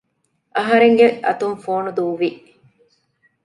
އަހަރެންގެ އަތުން ފޯނު ދޫވި